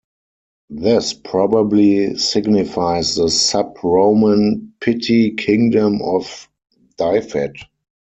This probably signifies the sub-Roman petty kingdom of Dyfed.